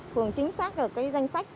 phường chính xác được cái danh sách